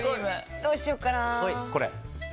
どうしようかな。